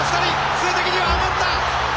数的には余った！